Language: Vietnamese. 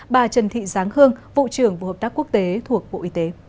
bà trần thị giáng hương vụ trưởng vụ hợp tác quốc tế thuộc bộ y tế